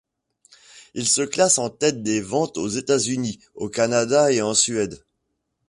Il se classe en tête des ventes aux États-Unis, au Canada et en Suède.